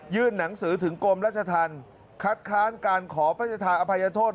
หนังสือถึงกรมราชธรรมคัดค้านการขอพระราชธาอภัยโทษ